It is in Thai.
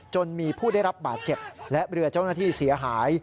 จนมีผู้ได้รับบาดเจ็บและเรือเจ้าหน้าที่เสียหาย